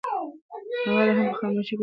هغه لا هم په خاموشۍ کې ډوبه ده.